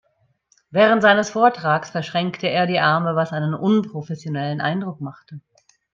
Während seines Vortrages verschränkte er die Arme, was einen unprofessionellen Eindruck machte.